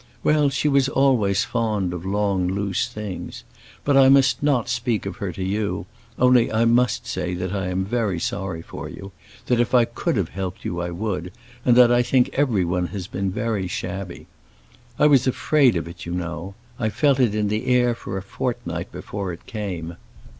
Well, she was always fond of long, loose things. But I must not speak of her to you; only I must say that I am very sorry for you, that if I could have helped you I would, and that I think everyone has been very shabby. I was afraid of it, you know; I felt it in the air for a fortnight before it came.